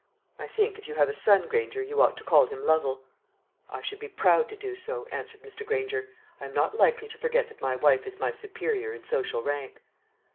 I think, if you have a son. Granger, you ought to call him Lovel." "I should be proud to do so," answered Mr. Granger. "I am not likely to forget that my wife is my superior in social rank."